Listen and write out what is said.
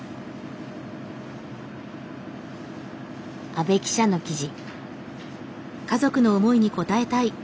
阿部記者の記事。